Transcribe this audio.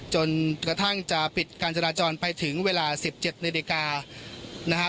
จนกระทั่งจะปิดการจราจรไปถึงเวลาสิบเจ็ดนิดนาทีนะฮะ